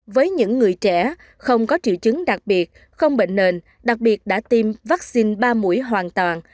với những người trẻ không có triệu chứng đặc biệt không bệnh nền đặc biệt đã tiêm vaccine ba mũi hoàn toàn